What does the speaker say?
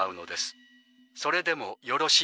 それでもよろしいですか？